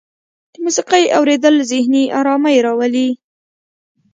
د موسیقۍ اوریدل ذهني ارامۍ راولي.